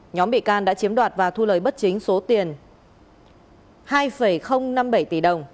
nhóm bị can đã chiếm đoạt và thu lời bất chính số tiền hai năm mươi bảy tỷ đồng